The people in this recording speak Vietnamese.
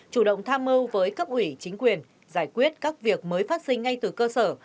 chủ động tham mưu với cấp ủy chính quyền giải quyết các việc mới phát sinh ngay từ cơ sở